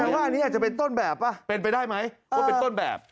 ว่าอันนี้อาจจะเป็นต้นแบบว่าเป็นไปได้ไหมว่าเป็นต้นแบบ